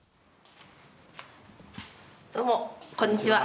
どうもこんにちは。